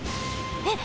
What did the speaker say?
えっ？